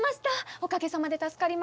おかげさまで助かりました。